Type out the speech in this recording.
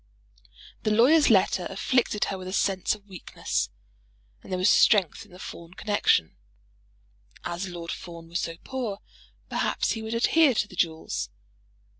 The lawyer's letter afflicted her with a sense of weakness, and there was strength in the Fawn connexion. As Lord Fawn was so poor, perhaps he would adhere to the jewels.